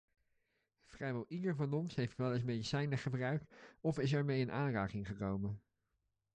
Vrijwel ieder van ons heeft weleens medicijnen gebruikt of is ermee in aanraking gekomen.